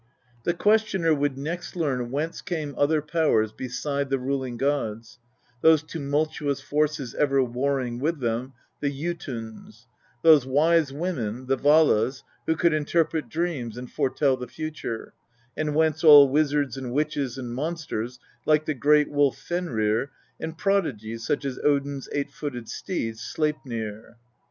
The questioner would next learn whence came other powers beside the ruling gods, those tumultuous forces ever warring with them, the Jotuns; those wise women, the Valas, who could interpret dreams and foretell the future ; and whence all wizards and witches and monsters like the great wolf Fenrir, and prodigies such as Odin's eight footed steed Sleipriir